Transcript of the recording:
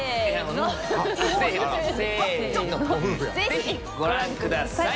ぜひご覧ください！